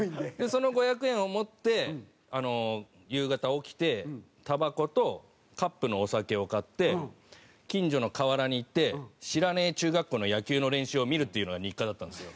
その５００円を持って夕方起きてたばことカップのお酒を買って近所の河原に行って知らねえ中学校の野球の練習を見るっていうのが日課だったんですよ